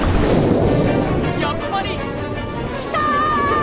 やっぱり！来た！